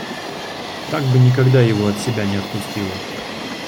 Так бы никогда его от себя не отпустила